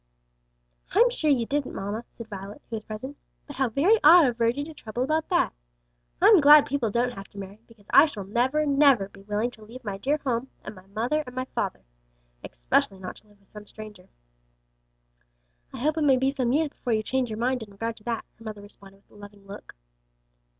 "I'm sure you didn't, mamma," said Violet, who was present. "But how very odd of Virgy to trouble about that! I'm glad people don't have to marry, because I shall never, never be willing to leave my dear home, and my father and mother. Especially not to live with some stranger." "I hope it may be some years before you change your mind in regard to that," her mother responded with a loving look.